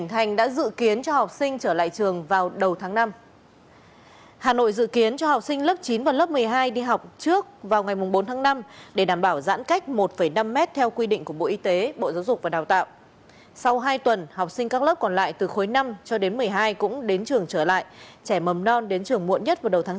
hãy đăng ký kênh để ủng hộ kênh của chúng mình nhé